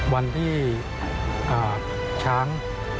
วันที่ช้าง